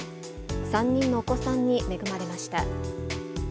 ３人のお子さんに恵まれました。